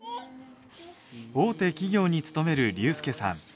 大手企業に勤める隆介さん。